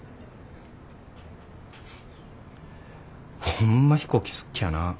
ホンマ飛行機好っきゃなぁ。